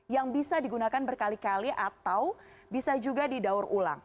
yang bisa digunakan berkali kali atau bisa juga didaur ulang